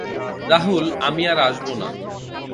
রাহুল আমি তার আসবো না।